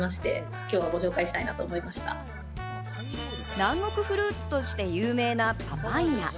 南国フルーツとして有名なパパイア。